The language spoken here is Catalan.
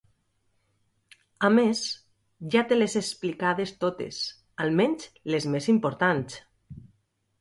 A més, ja te les he explicades totes, almenys les més importants.